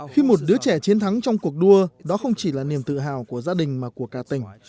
khi một đứa trẻ chiến thắng trong cuộc đua đó không chỉ là niềm tự hào của gia đình mà của cả tỉnh